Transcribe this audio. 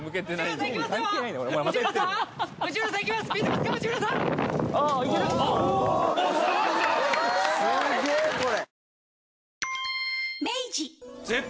すげぇこれ！